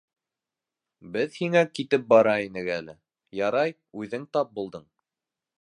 Беҙ һиңә китеп бара инек әле, ярай, үҙең тап булдың.